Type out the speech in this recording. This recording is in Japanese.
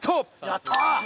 やった。